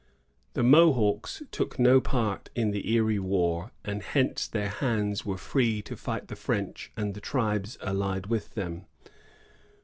The Mohawks took no part in the Erie war, and hence their hands were free to fight the French and the tribes allied with them.